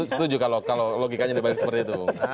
setuju kalau logikanya dibalik seperti itu